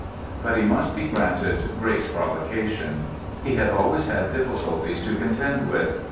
But he must be granted great provocation. He had always had difficulties to contend with.